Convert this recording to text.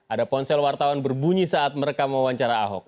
ada ponsel wartawan berbunyi saat mereka mewawancara ahok